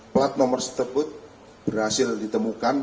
plat nomor tersebut berhasil ditemukan